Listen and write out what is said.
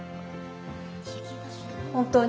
本当に。